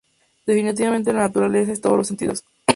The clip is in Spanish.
Definitivamente la Naturaleza en todos los sentidos.